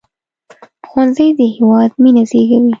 ښوونځی د هیواد مينه زیږوي